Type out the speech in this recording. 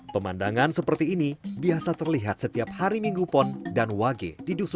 pemandangan seperti ini biasa terlihat setiap hari minggu pon dan wage di dusun